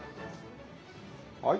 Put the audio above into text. はい。